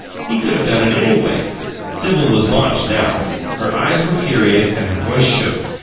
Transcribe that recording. He could have done it, anyway!" Sibyl was launched now; her eyes were furious and her voice shook.